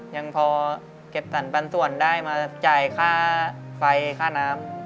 ยังพอเก็บสรรปันส่วนได้มาจ่ายค่าไฟค่าน้ำ